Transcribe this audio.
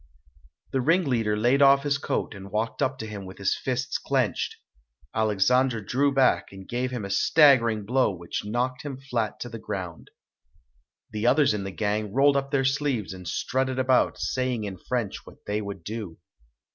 The ringleader laid off his coat and walked up to him with his fists clenched. Alex andre drew back and gave him a staggering blow which knocked him flat to the ground. The others in the gang rolled up their sleeves and strutted about, saying in French what they would do.